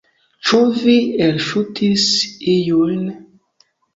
Ĉu vi elŝutis iujn?